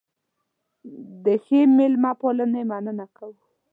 د ښې مېلمه پالنې مننه کوو.